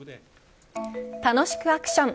楽しくアクション！